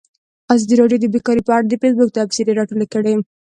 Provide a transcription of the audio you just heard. ازادي راډیو د بیکاري په اړه د فیسبوک تبصرې راټولې کړي.